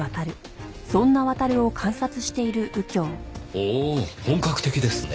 ほう本格的ですね。